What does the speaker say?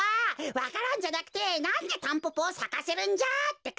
わか蘭じゃなくてなんでタンポポをさかせるんじゃってか。